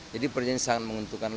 jadi perjanjian sangat menguntungkan